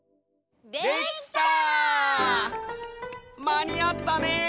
まにあったね。